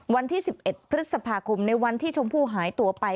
วันที่๑๑พฤษภาคมในวันที่ชมพู่หายตัวไป